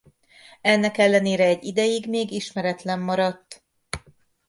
Ennek ellenére egy ideig még ismeretlen maradt.